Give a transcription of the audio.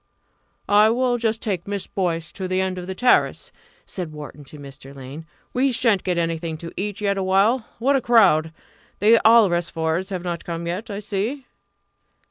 "I will just take Miss Boyce to the end of the terrace," said Wharton to Mr. Lane; "we shan't get anything to eat yet awhile. What a crowd! The Alresfords not come yet, I see."